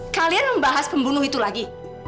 kalian membahas pembunuh itu lagi